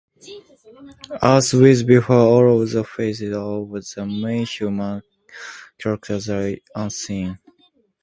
As with before, all of the faces of the main human characters are unseen.